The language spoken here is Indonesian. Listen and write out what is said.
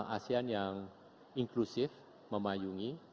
asean yang inklusif memayungi